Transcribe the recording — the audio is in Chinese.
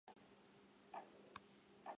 帕基人的主要职业是农业。